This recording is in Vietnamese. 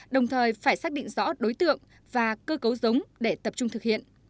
đồng thời phải xác định rõ đối tượng và cơ cấu giống để tập trung thực hiện